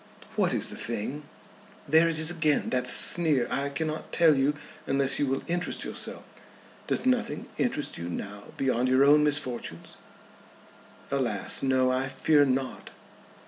"What is the thing?" "There it is again; that sneer. I cannot tell you unless you will interest yourself. Does nothing interest you now beyond your own misfortunes?" "Alas, no. I fear not."